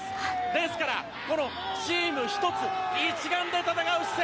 ですから、このチーム一つ一丸で戦う姿勢